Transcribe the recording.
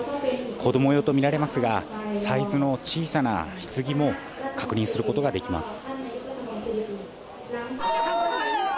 子供用とみられますが、サイズの小さなひつぎも確認することができます。